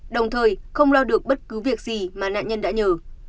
đồng thời không lo được bất cứ việc gì mà nạn nhân đã nhờ